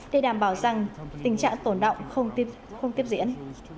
để đảm bảo rằng tình trạng tổn động không tiếp diễn